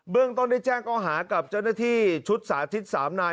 เรื่องต้นได้แจ้งก้อหากับเจ้าหน้าที่ชุดสาธิต๓นาย